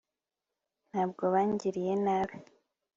ntabwo bangiriye nabi